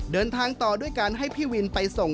เดินทางต่อด้วยการให้พี่วินไปส่ง